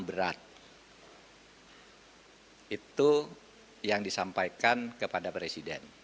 berat itu yang disampaikan kepada presiden